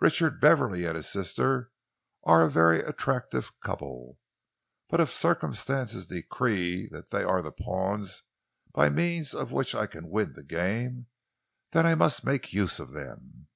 Richard Beverley and his sister are a very attractive couple, but if circumstances decree that they are the pawns by means of which I can win the game, then I must make use of them.